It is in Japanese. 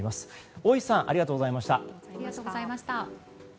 大石さんありがとうございました。